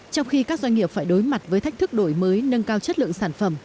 trong khi các doanh nghiệp phải đối mặt với thách thức đổi mới nâng cao chất lượng sản phẩm